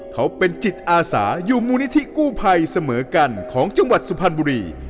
เขาเป็นจิตอาสาอยู่มูลนิธิกู้ภัยเสมอกันของจังหวัดสุพรรณบุรี